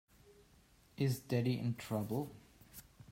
Is Daddy in trouble?